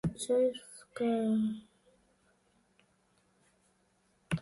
Seis ca.